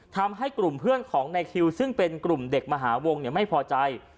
ทำให้กลุ่มเพื่อนของในคิวซึ่งเป็นกลุ่มเด็กมหาวงไม่พอใจ